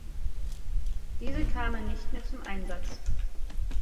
Diese kamen nicht mehr zum Einsatz.